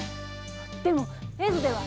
でも絵図では。